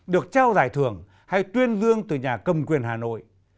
được trao giải thưởng hay tuyên dương từ nhà cầm quyền hà nội